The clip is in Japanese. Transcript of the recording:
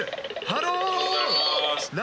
ハロー。